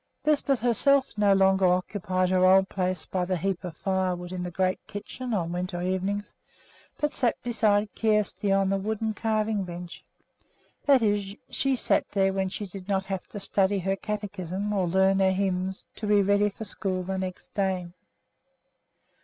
Lisbeth herself no longer occupied her old place by the heap of firewood in the great kitchen on winter evenings, but sat beside Kjersti on the wooden carving bench; that is, she sat there when she did not have to study her catechism or learn her hymns to be ready for school the next day.